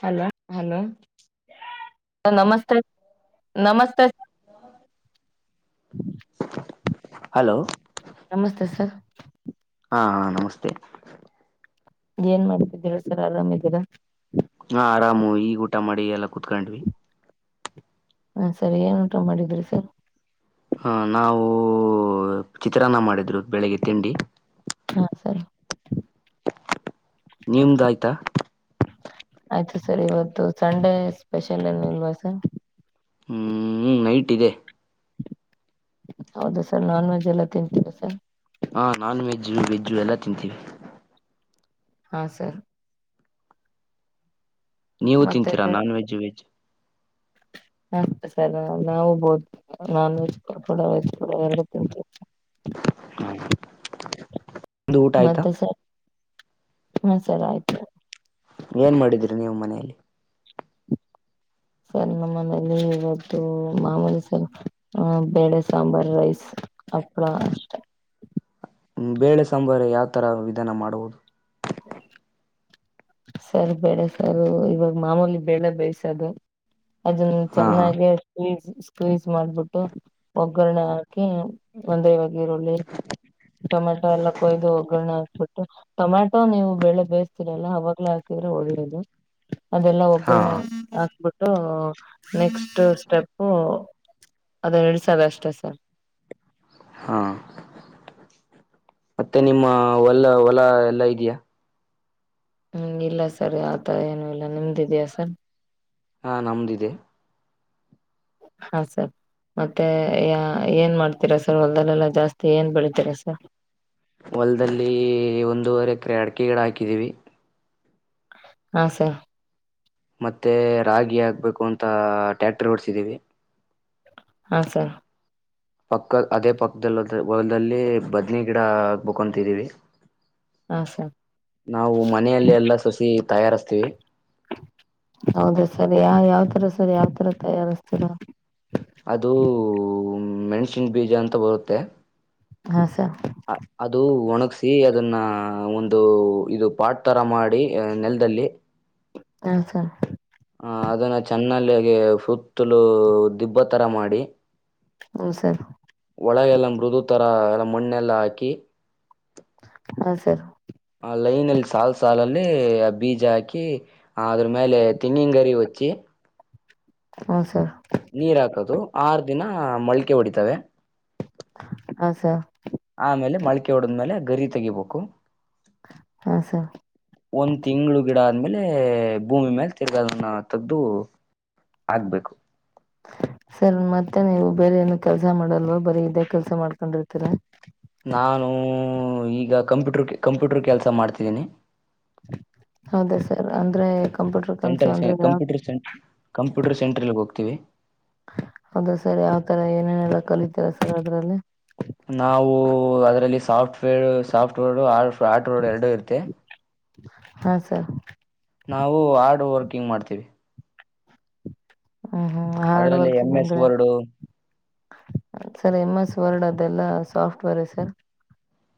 Hello hello ನಮಸ್ತೆ ನಮಸ್ತೆ. Hello ನಮಸ್ತೆ ಸರ್. ಹಾ ಹಾ ನಮಸ್ತೆ. ಏನ್ ಮಾಡ್ತಿದ್ದೀರ ಸರ್ ಆರಾಮಿದ್ದೀರಾ? ಹಾ ಆರಾಮು ಈಗ ಊಟ ಮಾಡಿ ಎಲ್ಲ ಕುೂತ್ಕೊಂಡ್ವಿ. ಹಾ ಸರಿ ಏನ್ ಊಟ ಮಾಡಿದ್ರಿ ಸರ್? ಹಾ ನಾವು ಚಿತ್ರಾನ್ನ ಮಾಡಿದ್ರು ಬೆಳಿಗ್ಗೆ ತಿಂಡಿ. ಹಾ ಸರ್. ನಿಮ್ದಾಯ್ತಾ? ಆಯ್ತು ಸರ್ ಇವತ್ತು ಸಂಡೇ ಸ್ಪೆಷಲ್ ಏನು ಇಲ್ವಾ ಸರ್? ಹ್ಮ್ ನೈಟ್ ಇದೆ. ಹೌದ ಸರ್ ನಾನ್ವೆಜ್ ಎಲ್ಲ ತಿಂತೀರಾ ಸರ್? ಹಾ ನಾನ್ ವೆಜ್ಜ್ ವೆಜ್ಜು ಎಲ್ಲಾ ತಿಂತೀವಿ. ಹಾ ಸರ್. ನೀವು ಮತ್ತೆ ತಿಂತೀರಾ ನಾನ್ ವೆಜು ವೆಜ್? ಹ ಸರ್ ನಾವು ಬೋತ್ ನಾನ್ ವಜ್ [unintelligible] ಎರಡೂ ತಿಂತಿವಿ. ನಿಂದು ಊಟ ಆಯ್ತಾ. ಹ್ಮ ಸರ ಆಯ್ತು. ಏನ್ ಮಾಡಿದ್ರಿ ನೀವು ಮನೆಯಲ್ಲಿ. ಸರ್ ನಮ್ಮ ಮನೆಯಲ್ಲಿ ಇವತ್ತು ಮಾಮೂಲಿ ಸರ್ ಬೇಳೆ ಸಾಂಬಾರ್ ರೈಸ್ ಹಪ್ಪಳ ಅಷ್ಟೆ. ಹ್ಮ್ ಬೇಳೆ ಸಾಂಬಾರ ಯಾಕೆ. ಉತ್ತರ ವಿಧಾನ ಮಾಡುವುದು [unintelligible] ಹ್ಮ ಸರ್ ಬೆಳೆ ಸರ್ ಇವಾಗ ಮಾಮೂಲಿ ಬೆಳೆ ಬೇಯ್ಸದು. ಅದನ್ನ ಹಾ ಚೆನ್ನಾಗಿ ಹಾ ಈಟ್ ಮಾಡಬೇಕು. ಸ್ಕ್ರೀಸ್ ಮಾಡ್ಬಿಟ್ಟು ಒಗ್ಗರಣೆ ಹಾಕಿ ಒಂದವ. ಈರಳ್ಳಿ ಟೊಮೆಟೊ ಎಲ್ಲ ಕೊಯ್ದು ಒಗ್ಗರಣ ಹಾಕಿ. ಟೊಮ್ಯಾಟೋ ನೀವು ಬೆಳೆ ಬೇಯ್ತೀರಲ್ಲ ಅವಾಗ. ಮ ಹಾಕಿದ್ರೆ ಒಳ್ಳೇದು [unintelligible] ಅದೆಲ್ಲಾ ಹಾ ಒಗ್ಗರಣೆ ಹಾಕಬೇಕು. ನೆಕ್ಸ್ಟ್ ಸ್ಟೆಪ್ [unintelligible] ಅದೇ ಎರಡು ಸಾವಿರ ಅಷ್ಟೇ ಸರ್. ಹಾ ಮತ್ತೆ ನಿಮ್ಮ ಹೊಲ ಹೊಲ ಎಲ್ಲಾ ಇದೆಯಾ. ಹ್ಮ್ ಇಲ್ಲ ಸರ್ ಆತರ ಏನು ಇಲ್ಲ ನಿಮ್ದು ಇದಿಯಾ ಸರ್. ಹಾ ನಮ್ದು ಇದೆ. ಹಾ ಸರ್ ಮತ್ತೆ ಯ ಏನ್ ಮಾಡ್ತೀರಾ ಸರ್ ಹೊದಲ್ಲೆಲ್ಲ ಜಾಸ್ತಿ ಏನ್ ಬೆಳತೀರಾ ಸರ್. ಹೊಲದಲ್ಲಿ ಒಂದೂವರೆ ಎಕರೆ ಅಡಿಕೆ ಗಿಡ ಹಾಕಿದೀವಿ. ಹಾ ಸರ್. ಮತ್ತೆ ರಾಗಿ. ಹಾಕ್ಬೇಕು ಬೇಕು ಅಂತ ಟ್ಯಾಕ್ಟರ್ ಓಡಸಿದೀವಿ. ಹಾ ಸರ್. ಪಕ್ಕದ ಅದೇ ಪಕ್ಕದಲ್ಲ ಹೊಲದಲ್ಲಿ ಬದ್ನಿ ಗಿಡ ಆ ಬಕೊಂತಿದ್ದೀವಿ. ಹಾ ಸರ್ ನಾವು ಮನೆಯಲ್ಲಿ ಎಲ್ಲ ಸಸಿ. ತಯಾರಿಸ್ತೀವಿ. ಹೌದ ಸರಿ ಯ ಯಾವತರ ಸರಿ ಯಾವತರ ತಯಾರಿಸ್ತೀರಾ. ಅದು ಮೆಣಸಿನ ಬೀಜ ಅಂತ ಬರುತ್ತೆ. ಹಾ ಸರ್ ಅ ಅದು ಒಣಗಸಿ ಅದನ್ನ ಒಂದು ಇದು ಪಾಟ್ ತರ ಮಾಡಿ ನೆಲದಲ್ಲಿ. ಹಾ ಸರ್. ಆಹ ಅದನ್ನ ಚೆನ್ನಲ್ಲಿ ಸುತ್ತಲೂ ದಿಬ್ಬ ತರ ಮಾಡಿ. ಹ್ಮ ಸರ್. ಒಳಗೆಲ್ಲ ಮೃದು ಥರ ಎಲ್ಲ ಮಣ್ಣೆಲ್ಲ ಹಾಕಿ. ಹಾ ಸರ್. ಆ ಲೈನಲ್ಲಿ ಸಾಲ್ ಸಾಲಲ್ಲಿ ಆ ಬೀಜ ಹಾಕಿ ಅದ್ರ್ ಮ್ಯಾಲೆ ತೆಂಗಿನಂಗರಿ ಹೊಚ್ಚಿ. ಹಾ ಸರ್. ನೀರಾಕದು. ಆರ್ದಿನ ಮೊಳಕೆ ಹೊಡಿತವೆ. ಹಾ ಸರ್. ಆಮೇಲೆ ಮಳಕೆ ಹೊಡದ್ಮೇಲೆ ಗರಿ ತಗಿಬೇಕು. ಹಾ ಸರ್ ಒಂದ್ ತಿಂಗಳು ಗಿಡ ಅದ್. ಆಮೇಲೆ ಭೂಮಿ ಮ್ಯಾಲೆ ತಿರ್ಗ ಅದನ್ನ ತಗ್ದು ಹಾಕ್ಬೇಕು. ಸರ್ ಮತ್ತೆ ನೀವು ಬೇರೆ ಏನು ಕೆಲ್ಸ ಮಾಡಲ್ವ ಬರೀ ಇದೇ ಕೆಲ್ಸ ಮಾಡ್ಕಂಡಿರ್ತೀರ. ನಾನು ಈಗ ಕಂಪ್ಯೂಟರ್ ಕೇ ಕಂಪ್ಯೂಟರ್ ಕೆಲ್ಸ ಮಾಡ್ತಿದ್ದೀನಿ. ಹೌದ ಸರ್ ಅಂದ್ರೆ. ಕಂಪ್ಯೂಟರ್ ಕಲ್ಸು ಸೆಂಟರ್ ಅಂದ್ರೆ ಯಾವ ಕಂಪ್ಯೂಟರ್ ಸೆಂಟರ ಕಂಪ್ಯೂಟರ್ ಸೆಂಟ್ರ್ ಇರ್ಬಕು ಕಂಪ್ಯೂಟರ್. ತ್ತವೆ. ಹೌದ ಸರ್ ಯಾವ್ತರ ಏನೇನೆಲ್ಲ ಕಲಿತೀರಾ ಸರ್ ಅದ್ರಲ್ಲಿ. ನಾವು ಅದರಲ್ಲಿ ಸಾಫ್ಟ್ವೇರ್ ಸಾಫ್ಟ್ವೇರ್ ಆ ಆರ್ಟ್ವರ್ ಎರಡು. ಇರುತ್ತೆ ಹಾ ಸರ್. ನಾವು ಹಾರ್ಡ್ ವರ್ಕಿಂಗ್ ಮಾಡ್ತೀವಿ. ಹ್ಮ್ ಹ್ಮ್ ಹಾರ್ಡ್ ಅದರಲ್ಲಿ ವರ್ಕ್ ಎಂ ಎಸ್ ಏನಂಷದ್ರೆ ವರ್ಡು ಸರಿ ಎಮ ಎಸ್ ವರ್ಡ್ ಅ. ಅದೆಲ್ಲಾ ಸಾಫ್ಟ್ ವೇರೇ ಸರ್.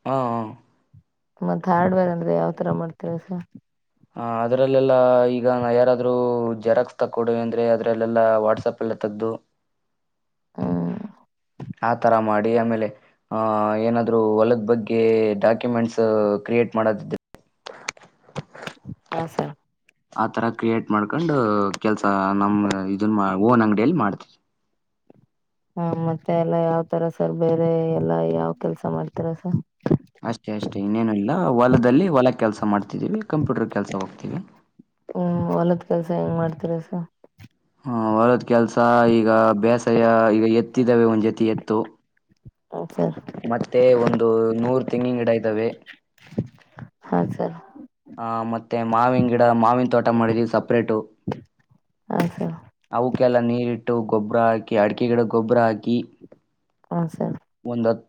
ಹು ಹೂ. ಮತ್ತ್ ಹಾರ್ಡವೆರ್ ಅಂದ್ರೆ ಯಾವ್ತರ ಮಾಡ್ತಿರ ಸರ್. ಆ ಅದರಲ್ಲೆಲ್ಲ ಈಗ ನಾ ಯಾರಾದ್ರೂ ಜೆರಾಕ್ಸ್ ತಕ್ಕೊಡಿ ಅಂದ್ರೆ ಅದರಲ್ಲೆಲ್ಲ ವಾಟ್ಸಪ್ ಎಲ್ಲ ತಗದು. ಹೂ. ಆತರ ಮಾಡಿ ಆಮೇಲೆ ಆಹ ಏನಾದ್ೂ ಹೊಲದ ಬಗ್ಗೆ ಡಾಕ್ಯುಮೆಂಟ್ಸ್ ಕ್ರಿಯೇಟ್ ಮಾಡದಿದ್. ರೆ ಹಾ ಸರ. ಆತರ ಕ್ರಿಯೇಟ್ ಮಾಡ್ಕಂಡು. ಕೆಲ್ಸಾ ನಮ್ ಇದನ್ ಮಾಡ. ಓನ್ ಅಂಗಡಿಯಲ್ಲ್ ಮಾಡ್ತಿ. ಹ್ಮ ಮತ್ತೆ ಎಲ್ಲ ಯಾವ ತರ ಸರ್ ಬೇರೆ ಎಲ್ಲಾ ಯಾವ ಕೆಲ್ಸ ಮಾಡ್ತಿರ ಸರ್. ಅಷ್ಟೇ ಅಷ್ಟೇ ಇನ್ನೇನು ಇಲ್ಲ ಹೊಲದಲ್ಲಿ ಹೊಲ ಕೆಲ್ಸ ಮಾಡ್ತಿದೀವಿ ಕಂಪ್ಯೂಟರ್ ಕೆಲ್ಸ ಹೋಗ್ತೀವಿ. ಹ್ಮ್ ಹೊಲದ ಕೆಲ್ಸ ಹೆಂಗ್ ಮಾಡ್ತಿರ ಸ. ಾ ಹು ಹೊಲದ್ ಕೆಲ್ಸ ಈಗ ಬೇಸಾಯ. ಎತ್ತಿದ್ದಾವೆ ಒಂದ್ ಜೊತಿ ಎತ್ತು ಹ ಸರ್ ಮತ್ತೆ ಒಂದು ನೂರು ತೆಂಗಿನ ಗಿಡ ಇದ್ದಾವೆ. ಹಾ ಸರ್. ಹ ಮತ್ತೆ ಮಾವಿನ ಗಿಡ ಮಾವಿನ. ್ ತೋಟ ಮಾಡಿದೀವಿ ಸಪ್ರೇಟು. ಹಾ ಸರ್ ಅವುಕ್ಕೆಲ್ಲ ನೀರಿಟ್ಟು ಗೊಬ್ರ ಹಾಕಿ ಅಡಿಕೆ ಗಿಡ್ಕ್ ಗೊಬ್ರ ಹಾಕಿ ಹ್ಮ್ ಸರ್.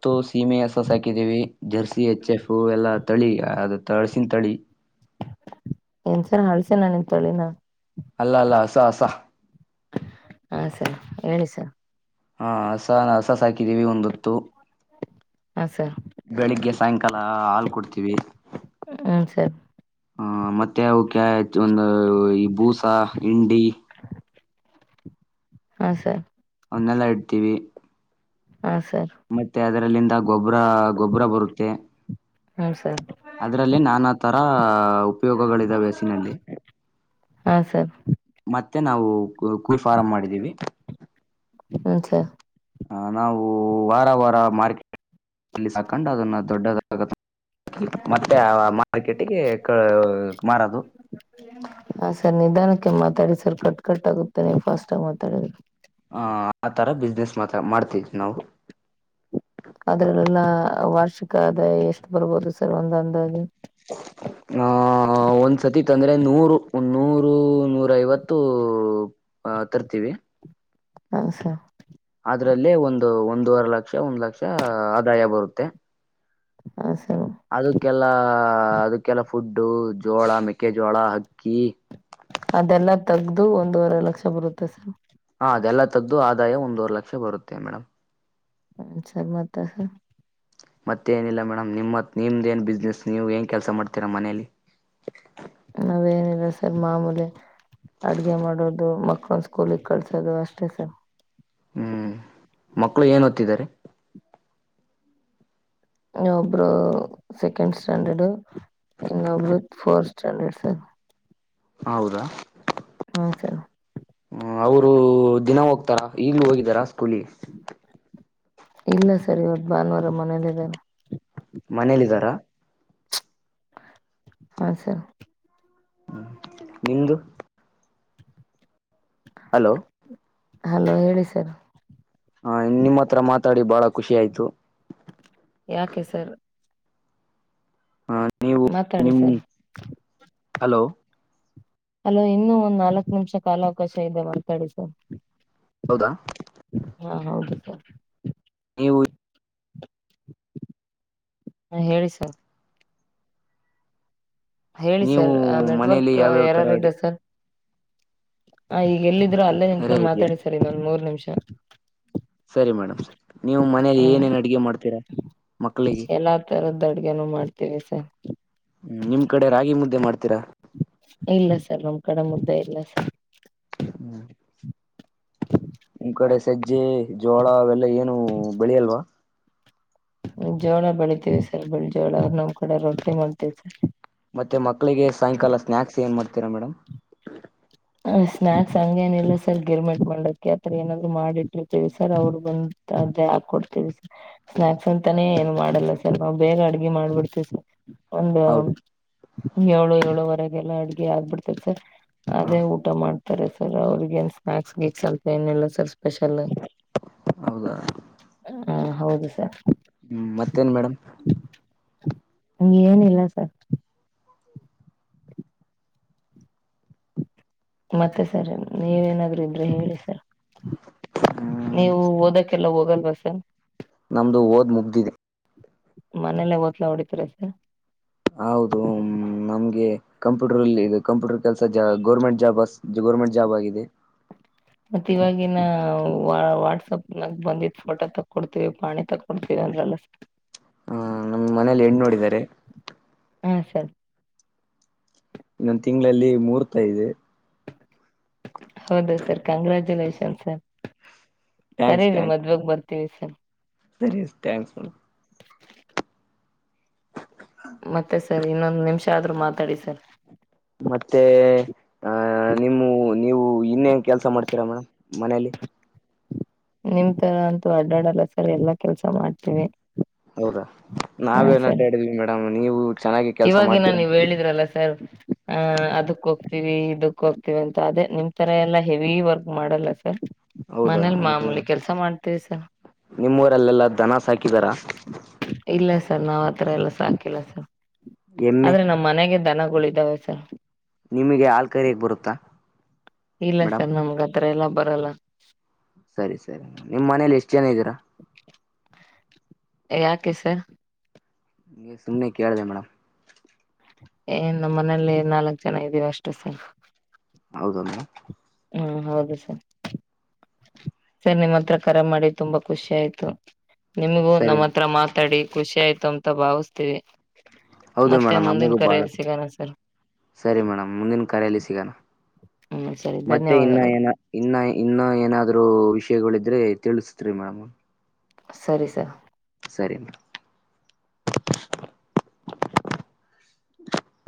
ತ್ತು ಸೀಮೆ ಹಸ ಸಾಕಿದೀವಿ ಜರ್ಸಿ ಎಚ್ ಎಫ್ ಎಲ್ಲಾ ತಳಿ ಅದು ತಳ್ಸಿನ್ತಳಿ ಏನ್ಸರ್ ಹಳ್ಸನನ್ನಿನ್ ತಳಿನ. ಅಲ್ಲಲ್ಲ ಹಸ ಹಸ ಹಾ ಸರ್ ಹೇಳಿಿಸರ್. ಹಾ ಹಸ ನಾ ಹಸಸಾಕಿದಿವಿ ಒಂದೊತ್ತು. ಹಾ ಸರ್ ಬೆಳಿಗ್ಗೆ ಸಾಯಂಕ್ ಲ್ಲ ಹಾಲ್ ಕೊಡ್ತೀವಿ. ಹ್ಮ್ ಸರ್ ಹ್ಮ್ ಮತ್ತೆ ಅವ್ ಒಂದ್ ಈ ಬೂಸ ಇಂಡಿ ಹಾ ಸರ್ ಮನ್ನೆಲ್ಲಡ್ತೀವಿ. ಹಾ ಸರ್ ಮತ್ತೆ ಅದರ್ಲ್ಲಿಂದ ಬ್ರ ಗೊಬ್ರ ಬರುತ್ತೆ ಹ್ಮ್ ಸರ್ ಅದರಲ್ಲಿ ನಾನಾತ್ ಹ್ಮಾ ಉಪಯೋಗಗಳಿದಾವೆ ಹಸಿನಲ್ಲಿ. ಹಾ ಸರ್ ಮತ್ತೆ ನಾವ್ ಕುರ್ ಕುರ್ ಫಾರಂಮಾಡಿದಿವಿ. ಹ ಸ ಹ ನಾವು ವಾರ ವಾರ ಮಾರ್ಕೆಟ್ ಸಾಕೊಂಡು ಅದನ್ನ ದೊಡ್ಡದಾಗ್ಂ ಮತ್ತೆ ಆ ಮಾರ್ಕೆಟಿಗೆ ಕೇಳ್ ಮಾರದು [inaudible] ತ್ತಾಡಿ ಸರ್ ಕಟ್ ಕಟ್ ಆಗುತ್ತೆ ನಿನ್ಫಾಸ್ಟಾಗ್ ಮಾತಾಡ್ದ್ರ್ ಆಥರ ಬಿಸ್ನೆಸ್ ಮಾತ್ರ ಮಾಡ್ತಿವ್ ನಾವು. ಅದ್ರಲ್ಲೆಲ್ಲ ವಾರ್ಷಿಕ ಆದಾಯ ಎಷ್ಟು ಬರ್ಬೋದು ಸರ್ ಒಂದಂದಾಗಿ. ಆಹ ಒಂದ್ಸತಿ ತಂದ್ರೆ ನೂರು ಒಂನೂರು ನೂರೈವತ್ತು ಅ ತರ್ತೀವಿ. ಹ ಸ ಅದ್ರಲ್ಲಿ ಒಂದು ಒಂದೂವರೆ ಲಕ್ಷ ಒಂದ್ ಲಕ್ಷ ಆದಾಯ ಬರುತ್ತೆ. ಹಾ ಸರ್ ಅದಕ್ಕೆಲ್ಲಾ ಅದಕ್ಕೆಲ್ಲ ಫುಡ್ಡು ಜೋಳ ಮೆಕ್ಕೆಜೋಳ ಹಕ್ಕ್ [unintelligible] ಅದೆಲ್ಲಾ ತಗ್ದು ಒಂದೂವರೆ ಲಕ್ಷ ಬರುತ್ತೆ ಸರ್. ಹ ಅದೆಲ್ಲ ತೆಗ್ದು ಆದಾಯ ಒಂದುವರೆ ಲಕ್ಷ ಬರುತ್ತೆ ಮೇಡಮ್. ಹ ಸರ್ ಮತ್ತ ಸರ್. ಮತ್ತೆನಿಲ್ಲ ಮೇಡಮ್ ನಿಮ್ತ್ ನಿಮ್ಮ್ದೇನ್ ಬಿಸ್ನೆಸ್ ನೀವ್ ಏನ್ ಕೆಲಸ ಮಾಡ್ತೀರಾ ಮನೆಲಿ. ನಾವೇನಿಲ್ಲ ಸರ್ ಮಾಮೂಲಿ ಅಡ್ಗೆ ಮಾಡೋದು ಮಕ್ಕ್ಳನ್ ಸ್ಕೂಲ್ಗ್ ಕಳ್ಸೋದು ಅಷ್ಟೇ ಸರ್. ಹ್ಮ್ ಮಕ್ಳು ಏನ್ ಒತ್ತಿದ್ದಾರೆ. ಇನ್ನೊಬ್ರು ಸೆಕೆಂಡ್ ಸ್ಟ್ಯಾಂಡರ್ಡ್ ಇನ್ನೊಬ್ರು ಫೋರ್ತ್ ಸ್ಟ್ಯಾಂಡರ್ಡ್ ಸರ್. ಹೌದಾ? ಹಾ ಸರ್. ಹ್ಮ ಅವರು ದಿನ ಹೋಗ್ತಾರ ಈಗ್ಲು ಹೋಗಿದಾರಾ ಸ್ಕೂಲಿಗೆ. ಇಲ್ಲ ಸರ್ ಇವತ್ತು ಭಾನುವಾರ ಮನೇಲಿದಾರೆ. ಮನೇಲಿದ್ದಾರಾ? ಹಾ ಸರ್. ಹ್ಮ ನಿಮ್ದು? ಹಲೋ ಹಲೋ ಹೇಳಿ ಸರ್. ಹಾ ನಿಮ್ಮತ್ರ ಮಾತಾಡಿ ಬಹಳ ಖುಷಿ ಆಯ್ತು. ಯಾಕೆ ಸರ್? ಹಾ ಮಾತಾಡಿ ಸರ್. ಹಲೋ ಹಲೋ ಇನ್ನು ಒಂದ್ ನಾಲಕ್ ನಿಮಿಷ ಕಾಲಾವ್ಕಾಶ ಇದೆ ಮಾತಾಡಿ ಸರ್. ಹೌದಾ ಹಾ ಹೌದು ಸರ್. ನೀವು ಹ ಹೇಳಿ ಸರ್. ಹೇಳಿ ನೀವು ಸರ್ ಮನೇಲಿ ನೆಟ್ವರ್ಕ್ ಯಾವ್ಯಾವ ತರ ಎರರಿಂದ ಅಡಿ ಸರ್ ಹ ಈಗ ಎಲ್ಲಿದಿರೋ ಅಲ್ಲೇ ನಿಂತ್ಕೊಂಡು ಇದೆಯಾ ಮಾತಾಡಿ ಸರ್ ಇನ್ನೊಂದ್ಮೂರ್ ನಿಮ್ಷ. ಸ [inaudible] ಸರಿ ಮೇಡಮ್ ನೀವು ಮನೇಲಿ ಏನೇನ್ ಅಡುಗೆ ಮಾಡ್ತೀರಾ ಮಕ್ಕಳಿಗೆ ಎಲ್ಲಾ ತರದ ಅಡ್ಗೆನು ಮಾಡ್ತೀವಿ ಸರ್ ನಿಮ್ ಕಡೆ ರಾಗಿ ಮುದ್ ದ್ದೆ ಮಾಡ್ತಿರಾ? ಇಲ್ಲ ಸರ್ ನಮ್ಕಡೆ ಮುದ್ದೆ ಇಲ್ಲ ಸರ್. ನಿಮ್ಕಡೆ ಸಜ್ಜೆ ಜೋಳ ಅವೆಲ್ಲ ಏನು ಬೆಳಿಯಲ್ವಾ? ಜೋಳ ಬೆಳಿತೀವಿ ಸರ್ ಬಿಳಿ ಜೋಳ ನಮ್ಮ್ಕಡೆ ರೊಟ್ಟಿ ಮಾಡ್ತೀವಿ ಸರ್. ಮತ್ತೆ ಮಕ್ಕಳಿಗೆ ಸಾಯಂಕಾಲ ಸ್ನಾಕ್ಸ್ ಏನ್ ಮಾಡ್ ತೀರಾ ಮೇಡಮ್? ಹ ಸ್ನಾಕ್ಸ್ ಹಂಗೇನಿಲ್ಲ ಸರ್ ಗಿರ್ಮಿಟ್ ಮಂಡಕ್ಕಿ ಆತರ ಏನಾದ್ರು ಮಾಡಿಟ್ಟಿರ್ತೇವಿ ಸರ್ ಅವ್ರ್ ಬಂತ ಅದೇ ಹಾಕೊಡ್ತೇವಿ ಸ ಸ್ನಾಕ್ಸ್ ಅಂತಾನೇ ಏನ್ ಮಾಡಲ್ಲ ಸರ್ ನಾವ್ ಬೇಗ ಅಡ್ಗಿ ಮಾಡ್ಬಿಡ್ತೀವಿ ಸರ್. ಒಂದು ಹೌದು ಏಳು ಏಳುವರೆ ಎಲ್ಲಾ ಅಡ್ಗೆ ಆಗ್ಬಿಡ್ತೖತ್ ಸರ್. ಹ ಬೇಗ್ ಊಟ ಮಾಡ್ ತರೆ ಸರ್ ಅವ್ರ್ಗ್ ಏನ್ ಸ್ನಾಕ್ಸ್ ಗೀಕ್ಸ್ ಅಂತೇನಿಲ್ಲ ಸರ್. ಸ್ಪೆಷಲು ಹೌದಾ ಹ. ಹೌದು ಸರ್. ಹ್ಮ್ ಮತ್ತೇನ್ ಮೇಡಮ್. ಹಂಗೆನಿಲ್ಲ ಸರ್. [inaudible] ಮತ್ತೆ ಸರ್ ನೀವೇನಾದ್ರ ಇದ್ರೆ ಹೇಳಿ ಸರ್. ಹ್ಮ್ ನೀವು ಓದಕ್ಕೆಲ್ಲ ಹೋಗ್ ಲ್ವ್ [unintelligible] ನಮ್ದು ಓದ್ ಮುಗ್ದಿದೆ. ಮನೆಲ್ಲೆ ಓತ್ಲಾ ಹೊಡಿತಿರ ಸರ್. ಹೌದು ನಮ್ಗೆ ಕಂಪ್ಯೂಟರ್ಲ್ಲಿ ಇದು ಕಂಪ್ಯೂಟರ್ ಕೆಲ್ಸ ಜ ಗೌರ್ಮೆಂಟ್ ಜಾಬ್ ಅ ಗೋರ್ಮೆಂಟ್ ಜಾಬಾಗಿದೆ. ಮತ್ತಿವಾಗಿನ ವ ವಾಟ್ಸಪ್ನಾಗ ಬಂದಿದ್ದ್ ಫೋಟೋ ತಕ್ಕೊಡ್ತೀವಿ ಪಾಣಿ ತಕ್ಕೊಡ್ತೀವಿ ಅಂದ್ರಲ್ಲ ಸ್. ಆ ನಮ್ ಮನೇಲಿ ಹೆಣ್ಣು ನೋಡಿದ್ದಾರೆ ಹಾಂ ಸರ್ ಇನ್ನೊಂದ್ ತಿಂಗ್ಳಲ್ಲಿ ಮೂರ್ತ ಇದೆ. ಹೌದ ಸರ್ ಕಂಗ್ರಾಚುಲೇಷನ್ ಸರ್ ಕರಿ ಥ್ಯಾಂಕ್ಸ್ ರೀ ಥ್ಯಾಂಕ್ಸ್ ಮದ್ವೆಾಗ ಬರ್ತ್ [unintelligible] ಸರಿ ಟ್ಯಾಂಕ್ಸ್ ಮೇಡ್ಂ ಮತ್ತೆ ಸರ್ ಸರ್ ಇನ್ನೊಂದು ನಿಮ್ಷ ಆದ್ರ ಮಾತಾಡಿ ಸರ್. ಮತ್ತೆ ಆಹ ನಿಮ್ಮ ನೀವು ಇನ್ನೆ ಪ್ ಕೆಲ್ಸ ಮಾಡ್ತ್ರಿ ಮೇಡಮ್. ಮನೇಲಿ. ನಿಮ್ ತರ ಅಂತೂ ಅಡ್ಡಾಡಲ್ಲ ಸರಿ ಎಲ್ಲಾ ಕೆಲ್ಸ ಮಾಡ್ತೀವಿ. ಹೌದಾ ಹಾ ನಾವೇನ್ ಸರಿ ಅಡ್ಡಾಡಿದ್ವಿ ಮೇಡಮ್ ನೀವು ಚೆನ್ನಾಗಿ ಕೆಲ್ಸ ಇವಾಗಿನ ನೀವ್ ಮಾಡ್ತೀರಂತ ಹೇಳಿದ್ರಲ್ಲ ಸರ್ ಅ ಅದಕ್ ಹೋಗ್ತೀವಿ ಇದಕ್ ಕ್ಕೊಗ್ತ್ವಿ ಅಂತ ಅದೆ ನಿಮ್ ತರ ಎಲ್ಲಾ ಹೆವಿ ವರ್ಕ್ ಮಾಡಲ್ಲ ಸರ್ ಹೌದಾ ಮನೇಲಿ ಮಾಮೂಲಿ ಕೆಲ್ಸ ಮಾಡ್ ತ್ತಸರ್. ನಿಮ್ಮೂರಲ್ಲೆಲ್ಲಾ ದನ ಸಾಕಿದಾರ. ಇಲ್ಲ ಸರ್ ನಾವ್ ಅತರ ಎಲ್ಲ ಸಾಕಿಲ್ಲ ಸರ್. ಎಮ್ಮೆ ಆದ್ರೆ ನಮ್ಮನೆಗೆ ದನ ಕೊಳಿದಾವೆ ಸರ್ ನಿಮಗೆ ಆಲ್ ಕರೆಕೆ ಬರುತ್ತಾ ಇಲ್ಲ ಮೇಡಮ್ ಸರ್ ನಮ್ಗ್ ತ್ರ್ ಎಲ್ಲ ಬರಲ್ಲ ಸರಿ ಸರಿ ನಿಮ್ಮನೇಲಿ ಎಷ್ಟ್ ಜನ ಇದರಾ ಯಾಕೆಸ್ ಗೆ ಸುಮ್ಮ್ನೆ ಕೇಳ್ದೆ ಮೇಡಂ. ಏ ನಮ್ಮನೇಲ್ಲಿ ನಾಲ್ಕ್ ಜನ ಇದೀವ ಅಷ್ಟ್ ಸರ್. ಹೌದ್ನ್ ಹ್ಮ ಹೌದು ಸರ್ ಸರ್ ನಿಮ್ಹತ್ರ ಕರೆ ಮಾಡಿ ತುಂಬಾ ಖುಷಿ ಆಯ್ತು. ನಿಮ್ಗು ಸರಿ ನಮ್ಮತ್ರ ಮಾತಾಡಿ ಖುಷ್ಷಾಯ್ತು ಅಂತ ಭಾವಿಸ್ತೀವಿ. ಹೌದು ಮತ್ತೆ ಮೇಡಮ್ ಮುಂದಿನ ನಮಗೂ ಬಾಳ ಕರೆಯಲ್ಲಿ ಸಿಗೋಣ ಸರ್ [inaudible] ಸರಿ ಮೇಡಮ್ ಮುಂದಿನ್ ಕರೆಯಲ್ಲಿ ಸಿಗಾಣ. ಹ್ಮ್ ಸರಿ ಮತ್ತೆ ಇನ್ನ ಧನ್ಯವಾದಗಳು ಏನ ಇನ್ನ ಇನ್ನ ಏನಾದ್ರೂ ವಿಷ್ ಳಿದ್ರೆ ತಿಳ್ಸ್ ತ್ರಿ ಮೇಡಮ್. ಸರಿ ಸರ್ ಸರಿ ಮೇಡಂ [unintelligible] [inaudible]